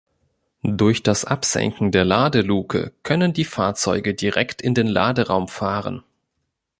Durch das Absenken der Ladeluke können die Fahrzeuge direkt in den Laderaum fahren.